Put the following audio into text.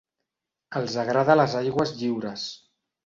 Els agrada les aigües lliures.